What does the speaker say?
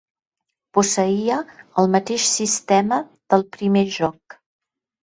Posseïa el mateix sistema del primer joc.